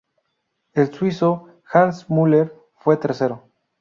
El suizo Hans Müller fue tercero.